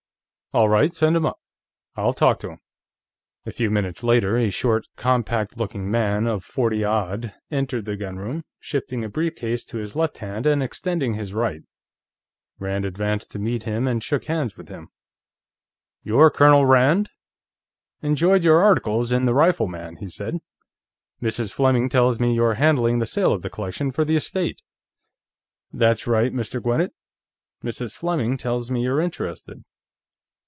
All right, send him up. I'll talk to him." A few minutes later, a short, compact looking man of forty odd entered the gunroom, shifting a brief case to his left hand and extending his right. Rand advanced to meet him and shook hands with him. "You're Colonel Rand? Enjoyed your articles in the Rifleman," he said. "Mrs. Fleming tells me you're handling the sale of the collection for the estate." "That's right, Mr. Gwinnett. Mrs. Fleming tells me you're interested."